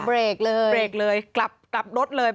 เบรกเลย